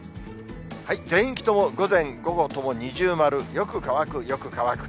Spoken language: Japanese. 全域とも午前、午後とも二重丸、よく乾く、よく乾く。